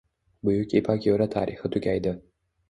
Buyuk ipak yoʻli tarixi tugaydi.